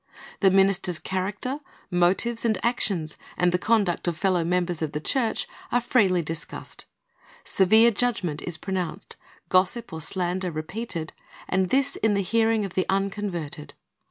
The minister's character, motives, and actions, and the conduct of fellow members of the church, are freely discussed. Severe judgment is pronounced, gossip or slander repeated, and this in the hearing of the unconverted.